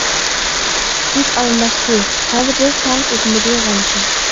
جۇت ئالماشتى ھەربىر تاڭ ئۆتمىدى غەمسىز.